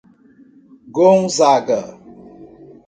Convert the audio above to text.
Gonzaga